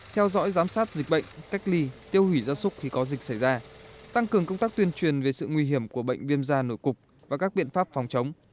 theo dõi giám sát dịch bệnh cách ly tiêu hủy gia súc khi có dịch xảy ra tăng cường công tác tuyên truyền về sự nguy hiểm của bệnh viêm da nổi cục và các biện pháp phòng chống